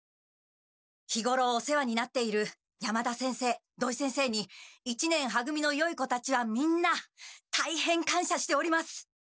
日ごろお世話になっている山田先生土井先生に一年は組のよい子たちはみんなたいへん感しゃしております。